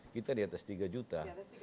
kita di atas tiga juta